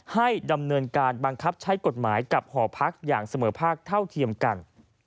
ให้ดำเนินการบังคับใช้กฎหมายกับหอพักอย่างเสมอภาคเท่าเทียมกัน